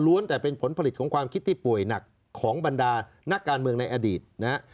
แต่เป็นผลผลิตของความคิดที่ป่วยหนักของบรรดานักการเมืองในอดีตนะฮะ